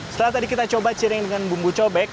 setelah tadi kita coba ciring dengan bumbu cobek